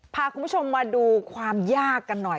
พาคุณผู้ชมมาดูความยากกันหน่อย